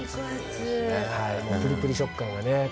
プリプリ食感がね